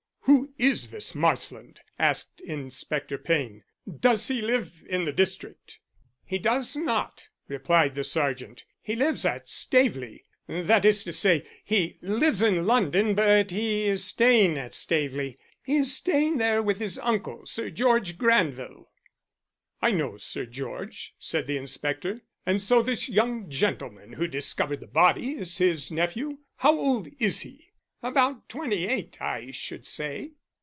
"Who is this Marsland?" asked Inspector Payne. "Does he live in the district?" "He does not," replied the sergeant. "He lives at Staveley. That is to say, he lives in London, but he is staying at Staveley. He is staying there with his uncle, Sir George Granville." "I know Sir George," said the inspector. "And so this young gentleman who discovered the body is his nephew. How old is he?" "About twenty eight, I should say."